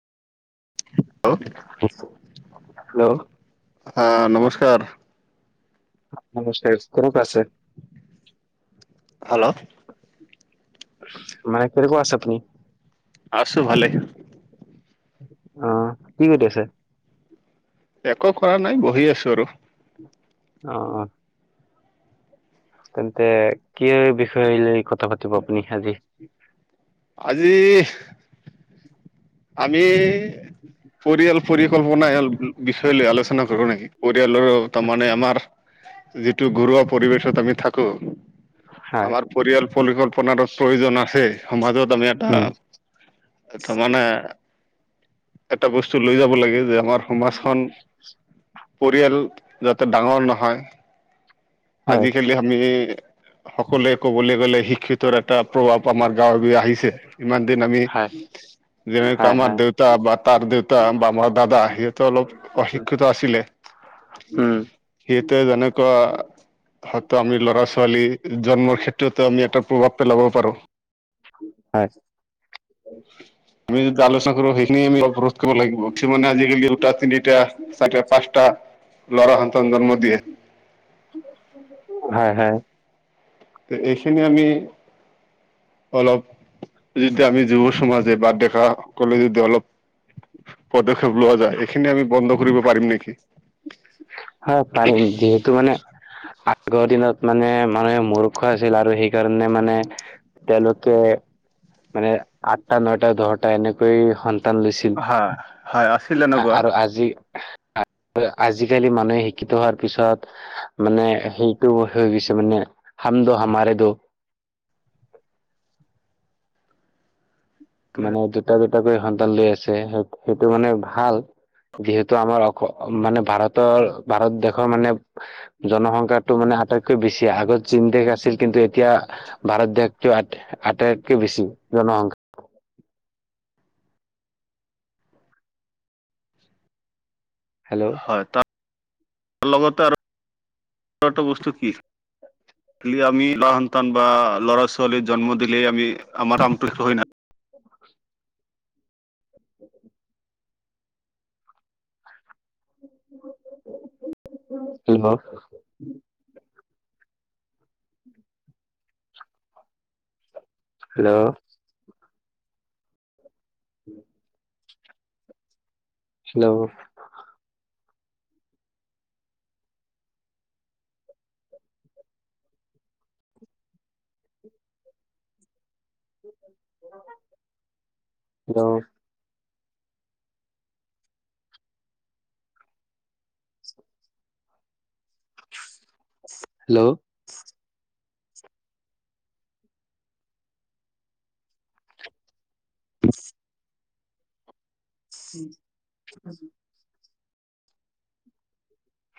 [unintelligible] Hello অ, নমস্কাৰ। [unintelligible] মানে কেনেকুৱা হেল্ল' আছে আপুনি? আছোঁ ভালে। অ, কি কৰি আছে? একো কৰা নাই বহি আছো আৰু। অ-অ। তেন্তে কি বিষয় লৈ কথা পাতিব আপুনি আজি? আজি আমি [unintelligible] পৰিয়াল পৰিকল্পনা বিষয় লৈ আলোচনা কৰোঁ নেকি? পৰিয়ালৰ তাৰ মানে আমাৰ যিটো ঘৰুৱা পৰিৱেশত আমি থাকোঁ, হয় আমাৰ পৰিয়াল পৰিকল্পনাৰ প্ৰয়োজন আছে। সমাজত আমি এটা উম তাৰ মানে এটা বস্তু লৈ যাব লাগে যে আমাৰ সমাজখন পৰিয়াল যাতে ডাঙৰ নহয়। হয় আজিকালি আমি সকলোৱে ক'বলৈ গ'লে শিক্ষিতৰ এটা প্ৰভাৱ আমাৰ গাঁৱ এ আহিছে। ইমান দিন আমি, হয় যেনে হয় কামাৰ হয় দেওঁ তা বা তাৰ দেউতা বা আমাৰ দাদা সিহঁতে অলপ অশিক্ষিতা আছিলে। উম। সেইতো যেনেকোৱা হয়তো আমি ল'ৰা ছোৱালী জন্মৰ ক্ষেত্ৰতো আমি এটা প্ৰভাৱ পেলাব পাৰোঁ। হয়। আমি যদি আলোচনা কৰোঁ সেইখিনিমি অৱৰোধ কৰিব লাগিব। [unintelligible] আজিকালি দুটা তিনিটা চাৰে পাঁচটা লৰা সন্তান জন্ম দিয়ে। হয়-হয়। এইখিনি আমি অলপ যদি আমি যুৱ সমাজে বা ডেকাসকলে যদি অলপ পদক্ষেপ লোৱা যায়। এইখিনি আমি বন্ধ কৰিব পাৰিম নেকি? হ'য়, পাৰিম। যিহেতু মানে আগৰ দিনত মানে মানুহে মূৰ্খ আছিল আৰু সেইকাৰণে মানে তেওঁলোকে মানে আঠটা নটা দহটা এনেকৈয় স লৈছিল হয় হয় আছিল এনেকুৱা আৰু আজি আজিকালি মানুহে শিক্ষিত হোৱাৰ পিছত। মানে সেইটো হৈ গৈছে মানে হাম দ হামাৰে দ। মানে দুটা-দুটা কৰি সন্তান লৈ আছে, স-সেইটো মানে ভাল। যিহেতু আমাৰ অ মানে ভাৰতৰ, ভাৰত দেশৰ মানে জনসংখ্যাটো মানে আটাইতকৈ বেছি। আগত [unintelligible] দেশ আছিল কিন্তু এতিয়া ভাৰত দেশটো আট্‌হে আটাইতকৈ বেছি জনসংখ্যা। হেল্লো? ত [inaudible] বস্তু কি? খিলি আমি ল'ৰা সন্তান বা ল'ৰা-ছোৱালী জন্ম দিলেই আমি আমাৰ আন্তক্ষ হ'য় নাই [unintelligible] [inaudible] কি হল? হেল্লো? [inaudible] হেল্লো? [unintelligible] হেল্লো? ইচ্‌ [unintelligible] [inaudible]